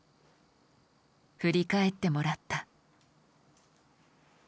振り返ってもらった。